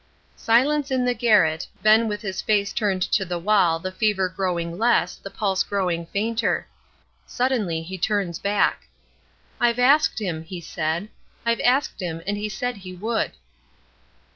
Silence in the garret, Ben with his face turned to the wall the fever growing less, the pulse growing fainter; suddenly he turns back. 'I've asked him,' he said; 'I've asked him, and he said he would.'"